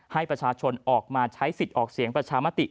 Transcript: ให้ประชาชนออกมาใช้สิทธิ์ออกเสียงประชามติ